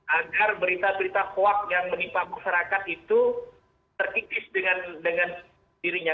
agar berita berita hoaks yang menimpa masyarakat itu terkikis dengan dirinya